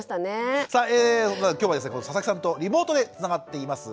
さあ今日はですね佐々木さんとリモートでつながっています。